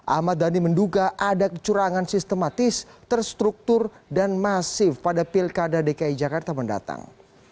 ahmad dhani menduga ada kecurangan sistematis terstruktur dan masif pada pilkada dki jakarta mendatang